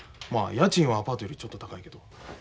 まあ家賃はアパートよりちょっと高いけど。